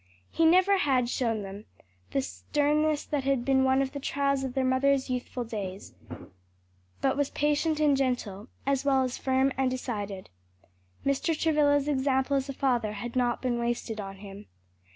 He never had shown to them the sternness that had been one of the trials of their mother's youthful days, but was patient and gentle, as well as firm and decided. Mr. Travilla's example as a father had not been wasted on him.